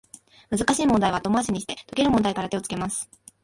難しい問題は後回しにして、解ける問題から手をつけます